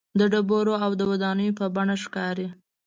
د ډبرو او ودانیو په بڼه ښکاري.